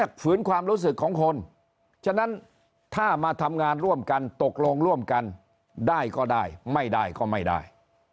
ฝืนความรู้สึกของคนฉะนั้นถ้ามาทำงานร่วมกันตกลงร่วมกันได้ก็ได้ไม่ได้ก็ไม่ได้